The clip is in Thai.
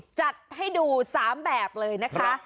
จัดให้ดู๓แบบเลยนะคะ